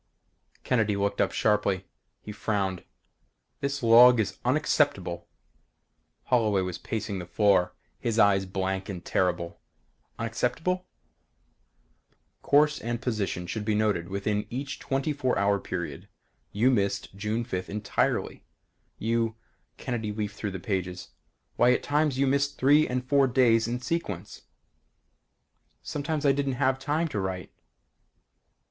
Kennedy looked up sharply. He frowned. "This log is unacceptable." Holloway was pacing the floor, his eyes blank and terrible "Unacceptable?" "Course and position should be noted within each twenty four hour period. You missed June 5th entirely. You " Kennedy leafed through the pages. "Why at times you missed three and four days in sequence!" "Sometimes I didn't have time to write."